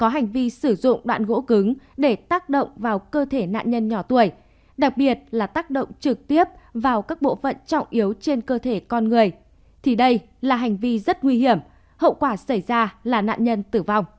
hãy đăng ký kênh để nhận thông tin nhất